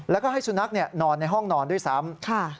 แล้วก็ให้สุนัขนอนในห้องนอนด้วยซ้ำ